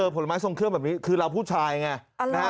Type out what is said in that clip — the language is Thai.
ผลไม้ทรงเครื่องแบบนี้คือเราผู้ชายไง